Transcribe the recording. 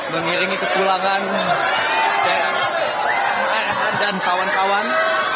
mengiringi ke pulangan rk dan kawan kawan